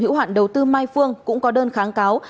hữu hạn đầu tư mai phương cũng có đơn kháng cáo